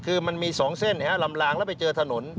คือมันมี๒เส้นลำลางแล้วไปเจอถนน